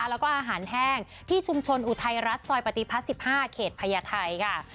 แล้วก็อาหารแห้งที่ชุมชนอุทัยรัฐซอยปฏิพัฒน์๑๕เขตพญาไทยค่ะ